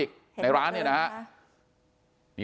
กลุ่มตัวเชียงใหม่